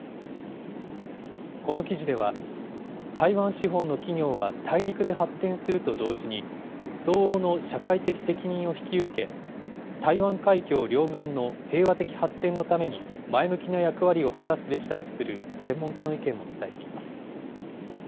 この記事では、台湾資本の企業は大陸で発展すると同時に、相応の社会的責任を引き受け、台湾海峡両岸の平和的発展のために前向きな役割を果たすべきだとする専門家の意見も伝えています。